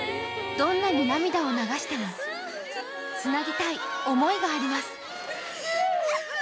どんなに涙を流しても、つなぎたい思いがあります。